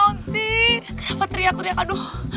kenapa teriak teriak aduh